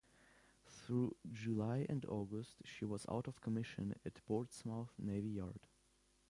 Through July and August, she was out of commission at Portsmouth Navy Yard.